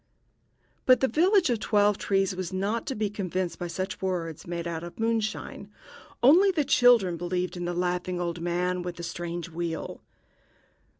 But the village of Twelve trees was not to be convinced by such words made out of moonshine. Only the children believed in the laughing old man with the strange wheel.